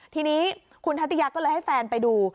ทีนี้คุณทัติยาก็เลยให้แฟนไปดู